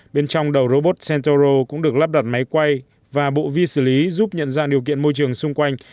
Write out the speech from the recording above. bên trong đầu robot center cũng được lắp đặt máy quay và bộ vi xử lý giúp nhận ra điều kiện môi trường xung quanh